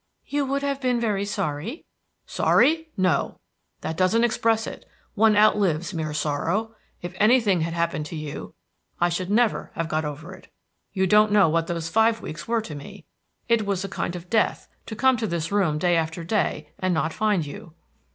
"You would have been very sorry?" "Sorry? No. That doesn't express it; one outlives mere sorrow. If anything had happened to you, I should never have got over it. You don't know what those five weeks were to me. It was a kind of death to come to this room day after day, and not find you."